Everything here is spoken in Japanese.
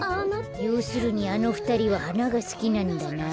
ようするにあのふたりははながすきなんだなあ。